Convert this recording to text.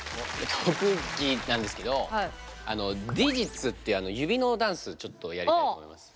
特技なんですけどディジッツっていう指のダンスちょっとやりたいと思います。